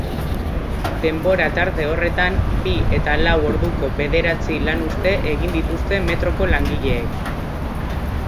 Denbora tarte horretan bi eta lau orduko bederatzi lanuzte egin dituzte metroko langileek.